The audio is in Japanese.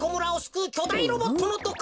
くうきょだいロボットのとか。